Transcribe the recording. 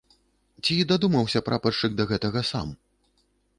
Ці дадумаўся прапаршчык да гэтага сам?